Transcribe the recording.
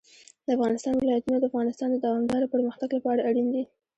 د افغانستان ولايتونه د افغانستان د دوامداره پرمختګ لپاره اړین دي.